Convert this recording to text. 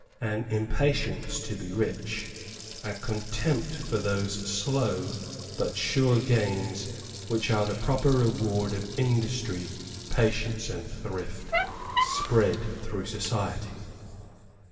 An impatience to be rich, a contempt for those slow but sure gains which are the proper reward of industry, patience and thrift, spread through society.